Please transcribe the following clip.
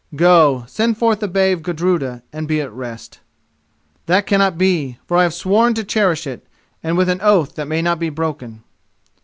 Go, send forth the babe Gudruda, and be at rest." "That cannot be, for I have sworn to cherish it, and with an oath that may not be broken."